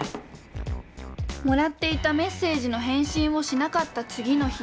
もらっていたメッセージの返信をしなかった次の日。